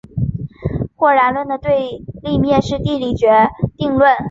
或然论的对立面是地理决定论。